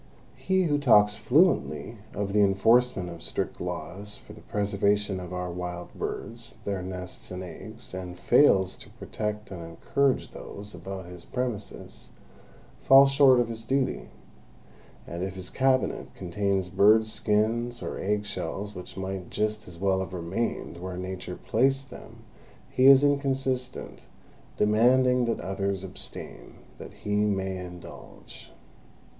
He who talks fluently of the enforcement of strict laws for the preservation of our wild birds, their nests and eggs, and fails to protect and encourage those about his premises, falls short of his duty; and if his cabinet contains bird skins or egg shells which might just as well have remained where Nature placed them, he is inconsistent, demanding that others abstain that he may indulge.